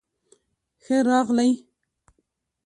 ښۀ راغلئ